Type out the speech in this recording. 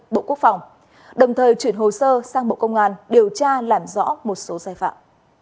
bộ quốc phòng đồng thời chuyển hồ sơ sang bộ công an điều tra làm rõ một số sai phạm